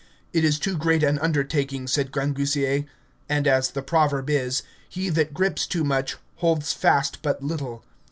It is too great an undertaking, said Grangousier; and, as the proverb is, He that grips too much, holds fast but little.